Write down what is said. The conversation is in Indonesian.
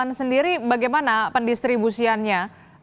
perusahaan sendiri bagaimana pendistribusiannya